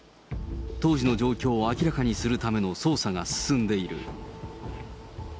当時の状況を明らかにするための捜査が進んでいる。